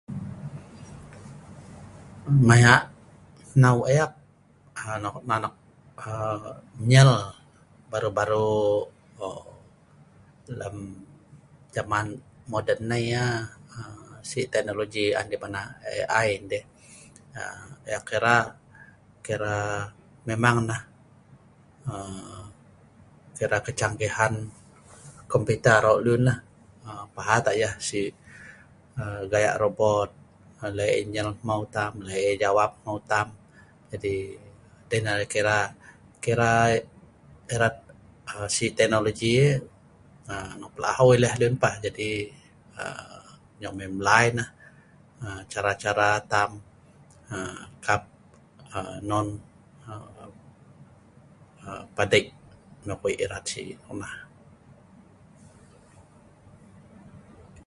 Maya' hnau ek anok nan ek aa nyel, baru-baru o lem zaman moden nai yah aa si teknologi an deh manah A I deh aa ek kira, kira memang nah aa kira kecanggihan kompoter aro' lun lah', aa pahat a' yah si gayah robot leh' yah nyel hmeu tam, leh yah jawab hmeu' tam, jadi dei' nah arai kira, kira irat si tehnologi ai pel ah eu ileh lun pah, jadi yok mai mlai nah cara-cara tam kap aa non aa padei' nok wei irat si noknah.